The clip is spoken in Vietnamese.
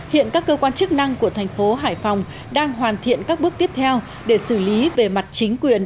hiện các cơ quan chức năng của thành phố hải phòng đang hoàn thiện các bước tiếp theo để xử lý về mặt chính quyền